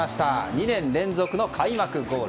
２年連続の開幕ゴール。